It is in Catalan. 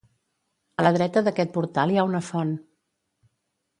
A la dreta d'aquest portal hi ha una font.